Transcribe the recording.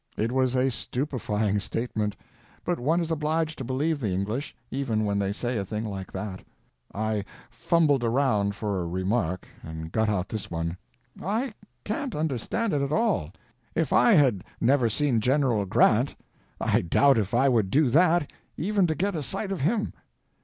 It was a stupefying statement, but one is obliged to believe the English, even when they say a thing like that. I fumbled around for a remark, and got out this one: "I can't understand it at all. If I had never seen General Grant I doubt if I would do that even to get a sight of him."